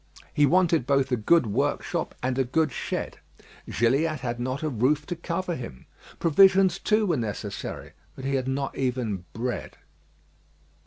He wanted both a good workshop and a good shed; Gilliatt had not a roof to cover him. Provisions, too, were necessary, but he had not even bread.